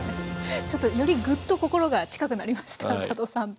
ちょっとよりぐっと心が近くなりました佐渡さんと。